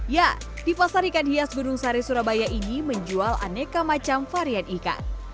ya di pasar ikan hias gunung sari surabaya ini menjual aneka macam varian ikan